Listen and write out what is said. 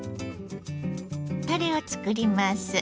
タレを作ります。